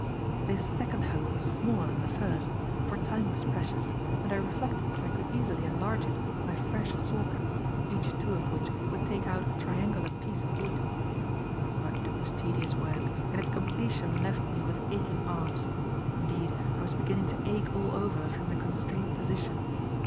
This second hole was smaller than the first, for time was precious, and I reflected that I could easily enlarge it by fresh saw cuts, each two of which would take out a triangular piece of wood. But it was tedious work, and its completion left me with aching arms; indeed, I was beginning to ache all over from the constrained position.